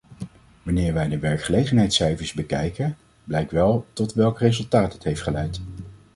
Wanneer wij de werkgelegenheidscijfers bekijken, blijkt wel tot welk resultaat dit heeft geleid.